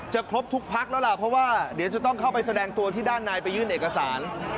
ครบทุกพักแล้วล่ะเพราะว่าเดี๋ยวจะต้องเข้าไปแสดงตัวที่ด้านในไปยื่นเอกสาร